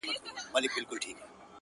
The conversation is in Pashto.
خیالي ځوانان راباندي مري خونکاره سومه!.